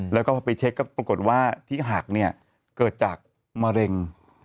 แล้วก็พอไปเช็คก็ปรากฏว่าที่หักเนี่ยเกิดจากมะเร็ง